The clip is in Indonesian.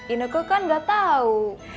ineke kan gak tau